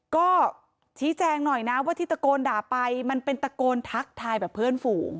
ก็ชี้แจงหน่อยนะว่าที่ตะโกนด่าไปมันเป็นตะโกนทักทายแบบเพื่อนฝูง